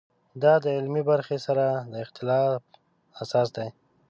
دا د علمي برخې سره د اختلاف اساس دی.